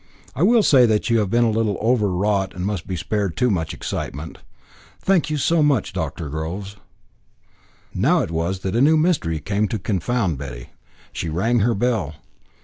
I will say that you have been a little over wrought and must be spared too much excitement." "Thank you so much, Dr. Groves." Now it was that a new mystery came to confound Betty. She rang her bell.